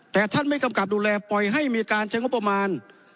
แต่ท่านไม่กำกับดูแลปล่อยให้มีการใช้งบประมาณ